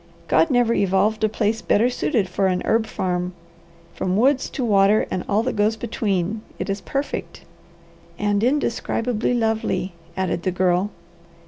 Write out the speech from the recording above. God never evolved a place better suited for an herb farm; from woods to water and all that goes between, it is perfect." "And indescribably lovely," added the Girl.